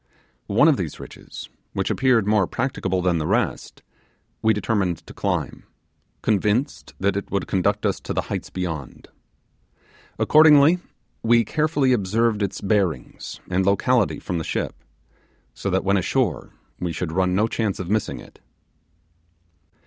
One of these ridges, which appeared more practicable than the rest, we determined to climb, convinced that it would conduct us to the heights beyond. Accordingly, we carefully observed its bearings and locality from the ship, so that when ashore we should run no chance of missing it.